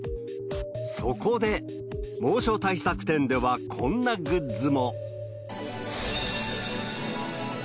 そこで猛暑対策展ではこんなグッズも。